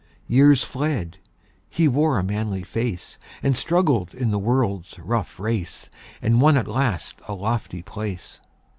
Years fled; he wore a manly face, And struggled in the world's rough race, And won at last a lofty place.